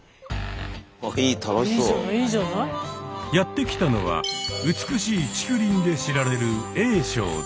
やって来たのは美しい竹林で知られる英勝寺。